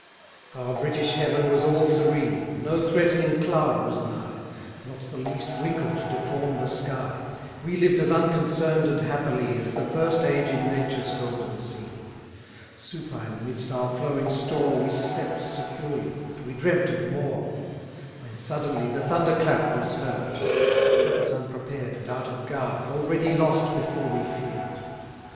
Our British heaven was all serene, No threatening cloud was nigh, Not the least wrinkle to deform the sky; We lived as unconcern'd and happily As the first age in Nature's golden scene; Supine amidst our flowing store, We slept securely, and we dreamt of more: When suddenly the thunder clap was heard, It took us unprepared and out of guard, Already lost before we fear'd.